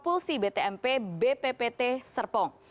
lulusi btmp bppt serpong